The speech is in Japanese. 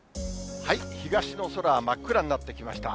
東の空は真っ暗になってきました。